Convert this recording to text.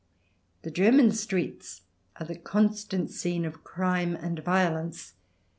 The German streets are the constant scene of crime and violence.